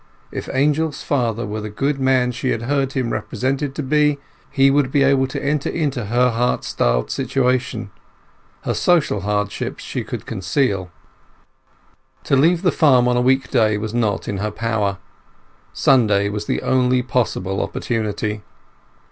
If Angel's father were the good man she had heard him represented to be, he would be able to enter into her heart starved situation. Her social hardships she could conceal. To leave the farm on a week day was not in her power; Sunday was the only possible opportunity.